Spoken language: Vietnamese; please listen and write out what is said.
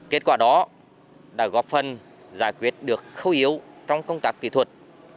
kết quả đó đã góp phần giải quyết được khâu yếu trong công tác kỹ thuật